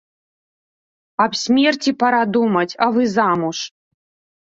Аб смерці пара думаць, а вы замуж.